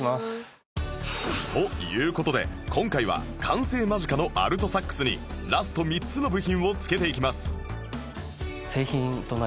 という事で今回は完成間近のアルトサックスにラスト３つの部品を付けていきます